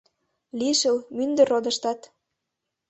Лишыл, мӱндыр родыштат